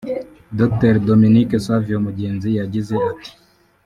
Dr Dominique Savio Mugenzi yagize ati